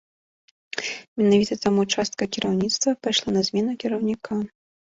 Менавіта таму частка кіраўніцтва пайшла на змену кіраўніка.